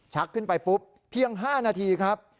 ขึ้นไปปุ๊บเพียง๕นาทีครับ